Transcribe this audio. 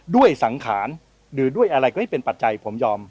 ด้วยสังขารหรือด้วยอะไรก็ให้เป็นปัจจัยผมยอม